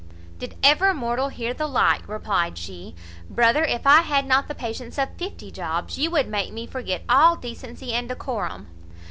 "Did ever mortal hear the like?" replied she. "Brother, if I had not the patience of fifty Jobs, you would make me forget all decency and decorum.